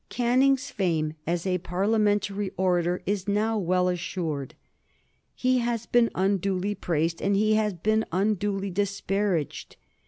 Canning's fame as a Parliamentary orator is now well assured. He has been unduly praised, and he has been unduly disparaged.